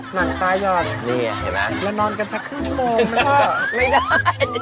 หนังตาหยอดนี่ใช่ป่ะแล้วนอนกันชักครึ่งชั่วโมงนะพ่อไม่ได้